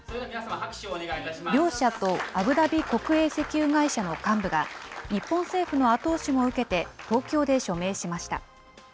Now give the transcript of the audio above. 両社とアブダビ国営石油会社の幹部が、日本政府の後押しを受けて東京で署名しました。